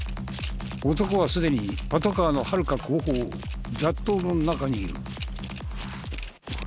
男はすでにパトカーのはるか後方雑踏の中にいる。